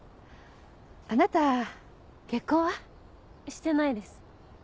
あなた結婚は？してないです。